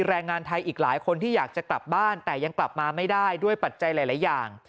แรงงานไทยอีกหลายคนที่อยากจะกลับบ้านแต่ยังกลับมาไม่ได้ด้วยปัจจัยหลายอย่าง